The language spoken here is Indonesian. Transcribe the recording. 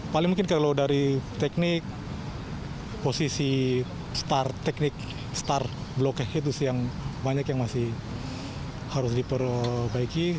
paling mungkin kalau dari teknik posisi star teknik star bloknya itu sih yang banyak yang masih harus diperbaiki